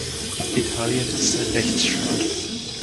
Italien ist ein Rechtsstaat.